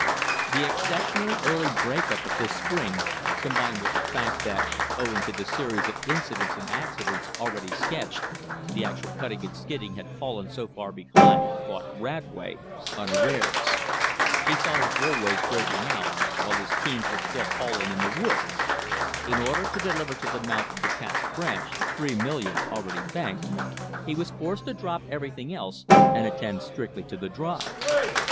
The exceptionally early break up of this spring, combined with the fact that, owing to the series of incidents and accidents already sketched, the actual cutting and skidding had fallen so far behind, caught Radway unawares. He saw his rollways breaking out while his teams were still hauling in the woods. In order to deliver to the mouth of the Cass Branch the three million already banked, he was forced to drop everything else and attend strictly to the drive.